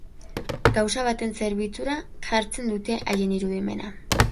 Kausa baten zerbitzura jartzen dute haien irudimena.